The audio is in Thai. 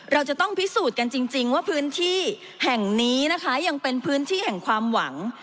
เราจะต้องพิสูจน์กันจริงว่าพื้นที่แห่งนี้นะคะยังเป็นพื้นที่แห่งความหวัง